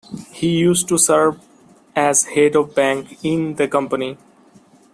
He used to serve as Head of Bank in the Company.